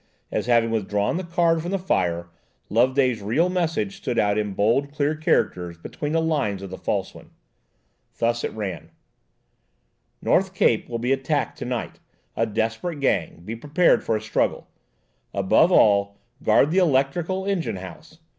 as, having withdrawn the card from the fire, Loveday's real message stood out in bold, clear characters between the lines of the false one. Thus it ran: "North Cape will be attacked to night–a desperate gang–be prepared for a struggle. Above all, guard the electrical engine house.